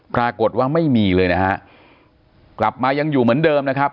ปรากฏว่าไม่มีเลยนะฮะกลับมายังอยู่เหมือนเดิมนะครับ